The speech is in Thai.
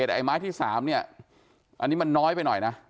ไอ้ไม้ที่๓เนี่ยอันนี้มันน้อยไปหน่อยนะ